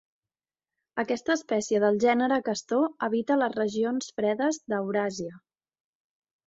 Aquesta espècie del gènere castor habita les regions fredes d'Euràsia.